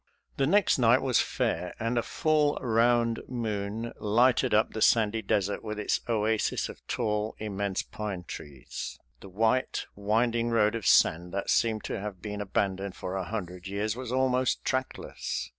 The next night was fair, and a full round moon lighted up the sandy desert with its oasis of tall, immense pine trees. The white winding road of sand that seemed to have been abandoned for a hundred years was almost trackless.